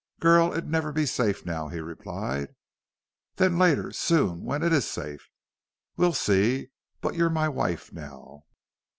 "Girl, it'd never be safe now," he replied. "Then later soon when it is safe?" "We'll see.... But you're my wife now!"